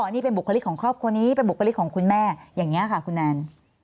นี่เป็นบุคลิกของครอบครัวนี้เป็นบุคลิกของคุณแม่อย่างนี้ค่ะคุณแนน